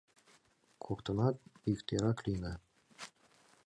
Коктынат иктӧрак лийына.